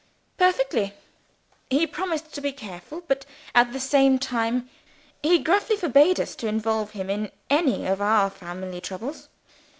"Perfectly. He promised to be careful. But, at the same time, he gruffly forbade us to involve him in any more of our family troubles.